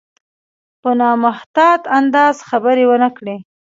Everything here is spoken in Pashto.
په نامحتاط انداز خبرې ونه کړي.